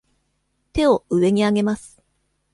手を上に上げます。